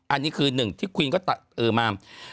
อันนี้คือหนึ่งที่คุณก็ตัดเยย์มา